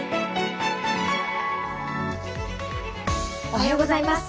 おはようございます。